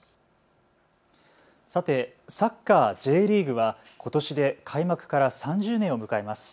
さて、サッカーＪリーグはことしで開幕から３０年を迎えます。